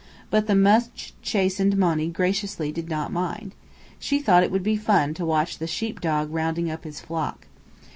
But the much chastened Monny graciously "did not mind." She thought it would be fun to watch the sheep dog rounding up his flock.